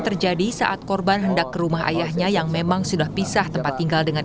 terjadi saat korban hendak ke rumah ayahnya yang memang sudah pisah tempat tinggal dengan